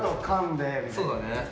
そうだね。